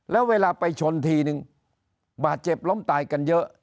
แล้วเวลาไปชนทีนึงบาดเจ็บล้มตายกันเยอะ